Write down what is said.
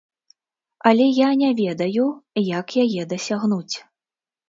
Але я не ведаю, як яе дасягнуць.